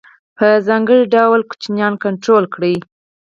په ځانګړي ډول ماشومان کنترول کړي.